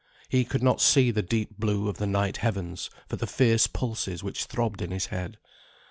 He could not see the deep blue of the night heavens for the fierce pulses which throbbed in his head.